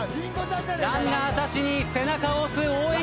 ランナーたちに背中を押す応援歌。